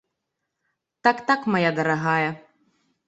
Так, так, мая дарагая.